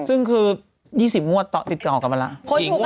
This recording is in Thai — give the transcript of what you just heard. ซึ่งคือ๒๐งวดติดกันออกมาแล้ว